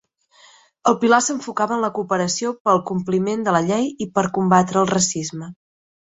El pilar s'enfocava en la cooperació pel compliment de la llei i per combatre el racisme.